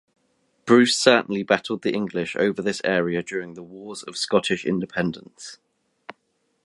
Bruce certainly battled the English over this area during the Wars of Scottish Independence.